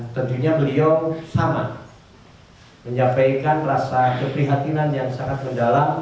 tetapi sebagai wakil pemerintah pusat yang ada di daerah